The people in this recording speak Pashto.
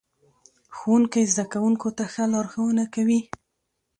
ښوونکی زده کوونکو ته ښه لارښوونه کوي